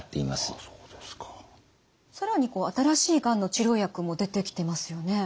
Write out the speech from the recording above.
更に新しいがんの治療薬も出てきてますよね。